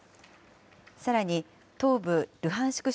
さらに東部ルハンシク